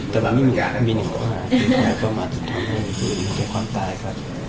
แต่มันไม่มีอย่างนั้นมีหนึ่งข้างที่เข้ามาจุดท้องให้มีความตายครับ